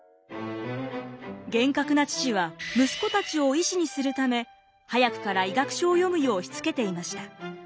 厳格な父は息子たちを医師にするため早くから医学書を読むようしつけていました。